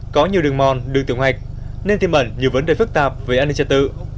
có nhiều đường mòn đường tiểu ngạch nên tiềm ẩn nhiều vấn đề phức tạp về an ninh trật tự